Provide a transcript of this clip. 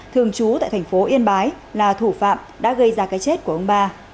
thường trú tại thành phố yên bái là thủ phạm đã gây ra cái chết của ông ba